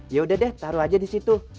yaudah deh taruh aja disitu